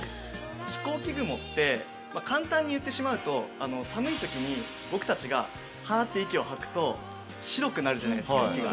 飛行機雲って簡単に言ってしまうと寒い時に僕たちが「ハ」って息を吐くと白くなるじゃないですか息が。